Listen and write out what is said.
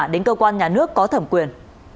đến cơ quan nhà nước có thẩm quyền